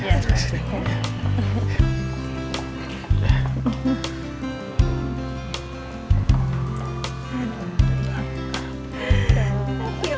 ngapain dia disini